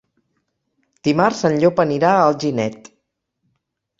Dimarts en Llop anirà a Alginet.